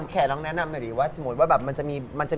แค่ต้องแนะนำหน่อยสมมุติว่ามันจะ